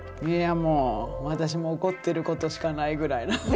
いやもう私も怒ってることしかないぐらいの。